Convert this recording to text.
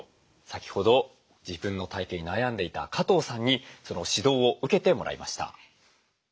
先ほど自分の体形に悩んでいた加藤さんにその指導を受けてもらいました。